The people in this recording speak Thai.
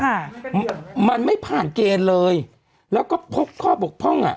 ค่ะมันไม่ผ่านเกณฑ์เลยแล้วก็พกข้อบกพร่องอ่ะ